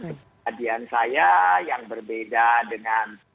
kejadian saya yang berbeda dengan